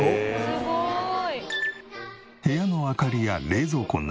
すごい！